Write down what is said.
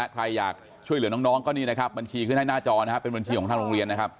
ใครอยากช่วยเหลือน้องก็นี่นะครับบัญชีขึ้นให้หน้าจอนะครับเป็นบัญชีของทางโรงเรียนนะครับ